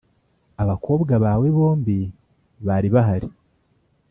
abakobwa bawe bombi bari bahari